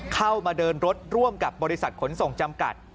เข้ามาเดินรถร่วมกับบริษัทขนส่งจำกัด